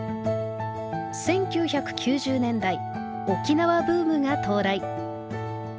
１９９０年代沖縄ブームが到来。